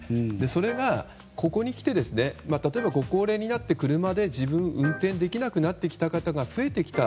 それがここにきて例えば、ご高齢になって自分で運転できなくなった方が増えてきた。